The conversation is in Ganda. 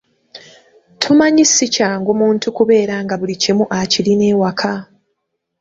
Tumanyi si kyangu muntu kubeera nga buli kimu akirina ewaka.